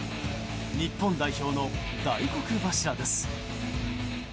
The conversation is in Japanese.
日本代表の大黒柱です。